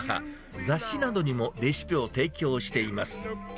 雑誌などにもレシピを提供しています。